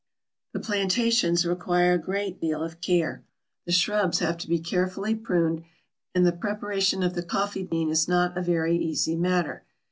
The plantations require a great deal of care. The shrubs have to be carefully pruned, and the preparation of the coffee bean is not a very easy matter.